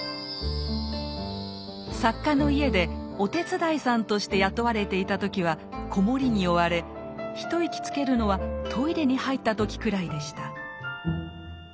作家の家でお手伝いさんとして雇われていた時は子守に追われ一息つけるのはトイレに入った時くらいでした。